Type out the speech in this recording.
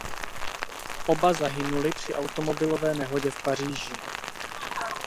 Oba zahynuli při automobilové nehodě v Paříži.